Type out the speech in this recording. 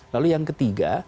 lalu yang ketiga